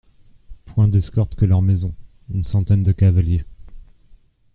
Point d'escorte que leur maison, une centaine de cavaliers.